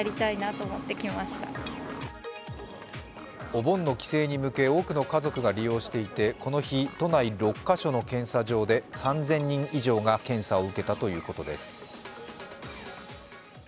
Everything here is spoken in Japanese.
お盆の帰省に向け多くの家族が利用していてこの日、都内６カ所の検査場で３０００人以上が検査を受けたということです。